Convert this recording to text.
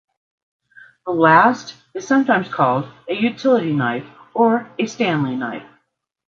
The last is sometimes called a utility knife or a Stanley knife.